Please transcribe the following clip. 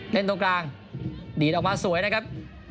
ตรงกลางดีดออกมาสวยนะครับ